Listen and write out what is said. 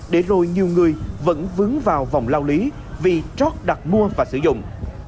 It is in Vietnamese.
để rồi nhiều người vẫn vướng vào vòng lao lý vì trót đặt mua và sử dụng